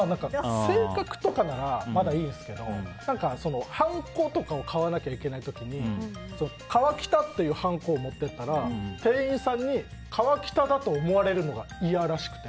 性格とかならまだいいんですけどはんことかを買わなきゃいけない時に川北っていうはんこを持っていったら店員さんに川北だと思われるのが嫌らしくて。